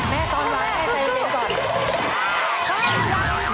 แม่ต้อนวางใครเป็นก่อน